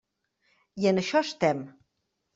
I en això estem.